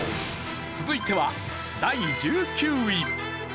続いては第１９位。